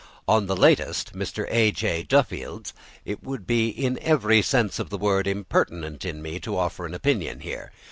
On the latest, Mr. A. J. Duffield's, it would be in every sense of the word impertinent in me to offer an opinion here.